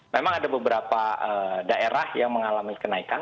memang ada beberapa daerah yang mengalami kenaikan